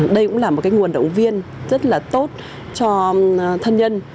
đây cũng là một cái nguồn động viên rất là tốt cho thân nhân